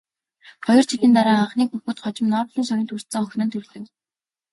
Хоёр жилийн дараа анхны хүүхэд, хожим Нобелийн шагнал хүртсэн охин нь төрлөө.